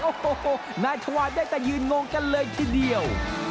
โอ้โหนายชวานได้แต่ยืนงงกันเลยทีเดียว